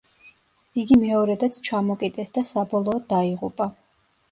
იგი მეორედაც ჩამოკიდეს და საბოლოოდ დაიღუპა.